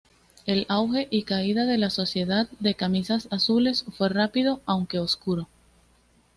El auge y caída de la Sociedad de Camisas Azules fue rápido, aunque oscuro.